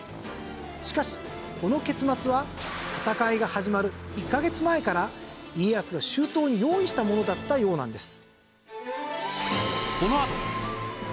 しかしこの結末は戦いが始まる１カ月前から家康が周到に用意したものだったようなんです。